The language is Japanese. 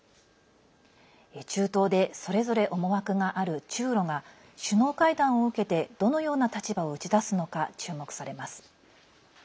中東で、それぞれ思惑がある中ロが首脳会談を受けてどのような立場を打ち出すのか注目されます。